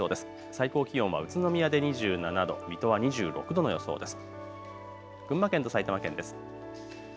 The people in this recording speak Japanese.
最高気温は宇都宮で２７度、水戸は２６度の予想です。